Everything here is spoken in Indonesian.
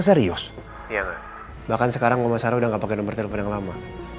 serius bahkan sekarang rumah sarah udah nggak pakai nomor telepon yang lama